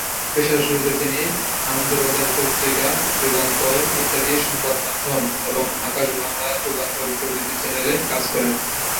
পেশার শুরুতে তিনি "আনন্দবাজার পত্রিকা", "যুগান্তর", ইত্যাদি সংবাদমাধ্যম এবং "আকাশ বাংলা", "যুগান্তর" প্রভৃতি চ্যানেলে কাজ করেন।